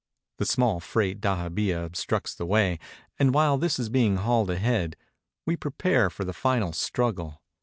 A small freight dahabeah obstructs the way, and while this is being hauled ahead, we prepare for the final strug gle.